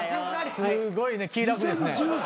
すごいね気楽ですね。